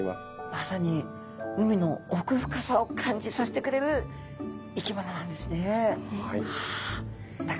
まさに海の奥深さを感じさせてくれる生き物なんですね。